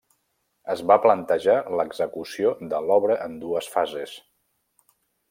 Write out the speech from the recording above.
Es va plantejar l'execució de l'obra en dues fases.